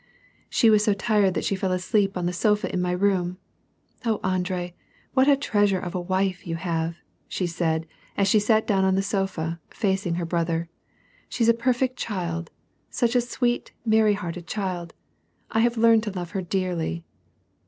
" She was so tired that she fell asleep on the sofa in my room ! Oh, Andre, what a treasure of a wife, you have," she said, as she sat down on the sofa, facing her brother. " She is a perfect child, such a sweet, merry hearted child. I have learned to love her dearly